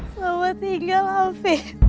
selamat tinggal afif